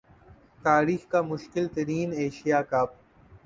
تاریخ کا مشکل ترین ایشیا کپ